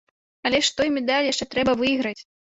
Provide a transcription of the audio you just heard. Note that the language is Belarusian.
Але ж той медаль яшчэ трэба выйграць!